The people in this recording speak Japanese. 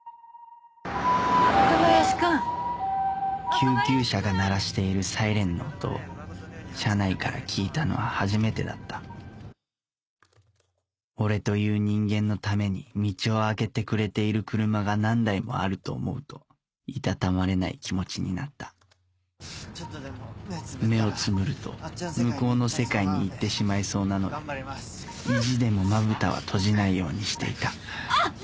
救急車が鳴らしているサイレンの音を車内から聞いたのは初めてだった俺という人間のために道を空けてくれている車が何台もあると思うと居たたまれない気持ちになった目をつむると向こうの世界に行ってしまいそうなので意地でもまぶたは閉じないようにしていたあっ！